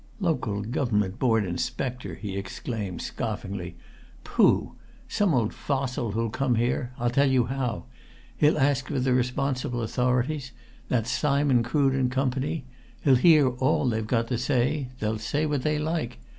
"Local Government Board Inspector!" he exclaimed scoffingly. "Pooh! some old fossil who'll come here I'll tell you how! He'll ask for the responsible authorities. That's Simon Crood and Company. He'll hear all they've got to say. They'll say what they like.